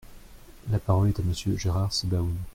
La parole est à Monsieur Gérard Sebaoun.